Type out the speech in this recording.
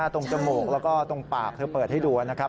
ตรงจมูกแล้วก็ตรงปากเธอเปิดให้ดูนะครับ